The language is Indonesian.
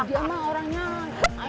dia mah orangnya ini